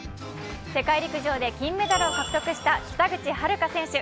世界陸上で金メダルを獲得した北口榛花選手。